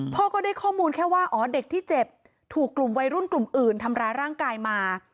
พ่อก็ได้ข้อมูลแค่ว่าอ๋อเด็กที่เจ็บถูกกลุ่มวัยรุ่นกลุ่มอื่นทำร้ายร่างกายมา